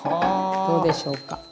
どうでしょうか。